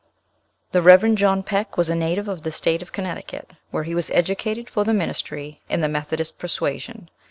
THE Rev. John Peck was a native of the state of Connecticut, where he was educated for the ministry, in the Methodist persuasion.